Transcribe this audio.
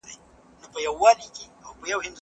ښوونځي اوس شفاف کار کوي.